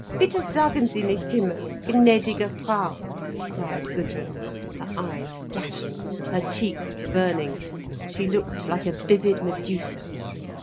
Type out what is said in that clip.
"Bitte sagen Sie nicht immer, gnädige Frau," cried Gudrun, her eyes flashing, her cheeks burning. She looked like a vivid Medusa.